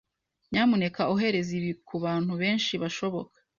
Nyamuneka ohereza ibi kubantu benshi bashoboka.